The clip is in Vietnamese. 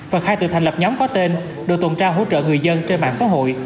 và khai tự thành lập nhóm có tên đội tuần tra hỗ trợ người dân trên mạng xã hội